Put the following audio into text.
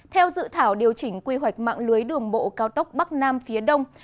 theo dự thảo điều chỉnh quy hoạch mạng lưới đường bộ cao tốc bắc nam phía đông